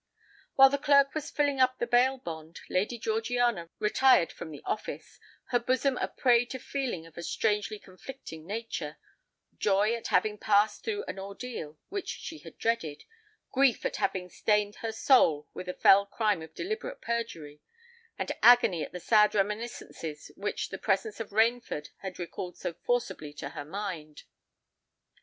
While the clerk was filling up the bail bond, Lady Georgiana retired from the office, her bosom a prey to feelings of a strangely conflicting nature,—joy at having passed through an ordeal which she had dreaded—grief at having stained her soul with the fell crime of deliberate perjury—and agony at the sad reminiscences which the presence of Rainford had recalled so forcibly to her mind.